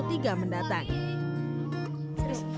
kayak banyak teman teman gitu